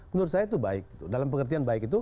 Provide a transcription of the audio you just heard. menurut saya itu baik dalam pengertian baik itu